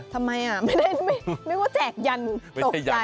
ทำไมอ่ะไม่ได้ว่าแจกยันตกใจ